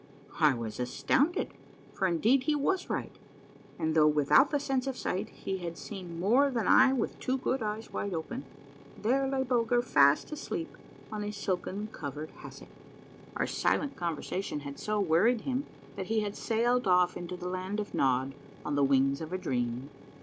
I was astounded, for indeed he was right, and though with out the sense of sight he had seen more than I with two good eyes wide open. There lay Bulger fast asleep on a silken covered hassock. 122 A MAE VEIL OCrS UNDERGROUND JOURNEY Our silent conversation had so wearied him that he had sailed off into the Land of Nod on the wings of a dream.